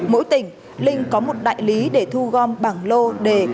mỗi tỉnh linh có một đại lý để thu gom bảng lô đề